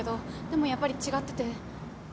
でもやっぱり違ってて。